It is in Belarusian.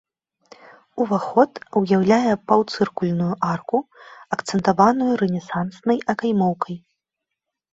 Уваход уяўляе паўцыркульную арку, акцэнтаваную рэнесанснай акаймоўкай.